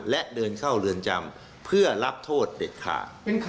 และเดินเข้าเรือนจำเพื่อรับโทษเด็ดขาด